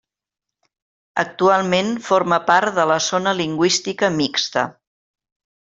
Actualment forma part de la Zona Lingüística Mixta.